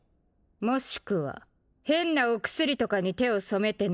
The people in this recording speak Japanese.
もしくは変なお薬とかに手を染めてない？